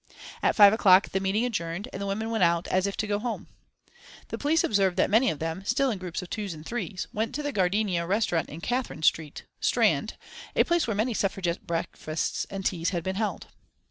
At five o'clock the meeting adjourned and the women went out, as if to go home. The police observed that many of them, still in groups of twos and threes, went to the Gardenia restaurant in Catherine Street, Strand, a place where many Suffragette breakfasts and teas had been held.